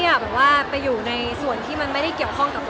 เราไม่ได้อยู่ในส่วนที่มันไม่ได้เกี่ยวข้องกับเราเลย